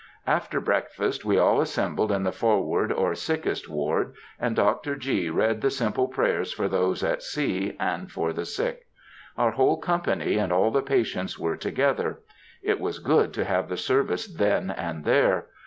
After breakfast we all assembled in the forward or sickest ward, and Dr. G. read the simple prayers for those at sea and for the sick. Our whole company and all the patients were together. It was good to have the service then and there.